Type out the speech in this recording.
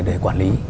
để quản lý